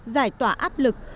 giải tỏa áp lực